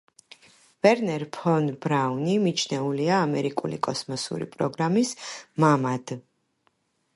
ვერნერ ფონ ბრაუნი მიჩნეულია ამერიკული კოსმოსური პროგრამის „მამად“.